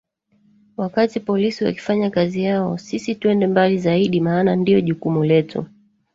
Wakati polisi wakifanya kazi yao sisi twende mbali zaidi maana ndiyo jukumu letu